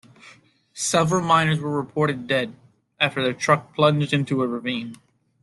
Several miners were reported dead, after their truck plunged into a ravine.